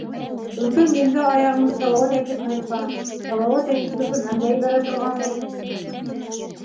— Өлкән еңгә, аяғыңды салауат әйтеп һыйпа, салауат әйтеп төкөрһәң дә ебәрә торған ул.